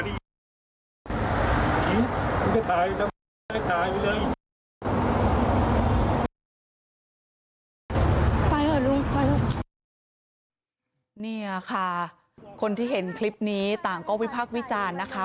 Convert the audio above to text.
ไปเลยลุงไปนี่อะค่ะคนที่เห็นคลิปนี้ต่างก็วิภาควิจารณ์นะคะ